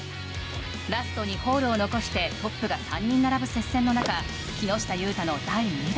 ラスト２ホールを残してトップが３人並ぶ接戦の中木下裕太の第２打。